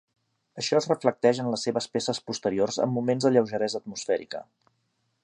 Això es reflecteix en les seves peces posteriors en moments de lleugeresa atmosfèrica.